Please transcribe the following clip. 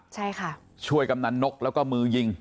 ใช่ค่ะช่วยกำนันนกแล้วก็มือยิง